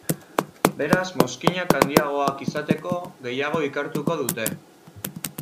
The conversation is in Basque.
Beraz mozkinak handiagoak izateko, gehiago ikertuko dute.